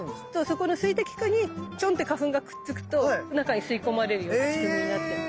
そこの水滴にチョンって花粉がくっつくと中に吸い込まれるような仕組みになってるの。